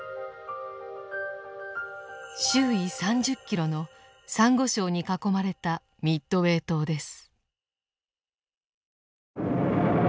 周囲３０キロのサンゴ礁に囲まれたミッドウェー島です。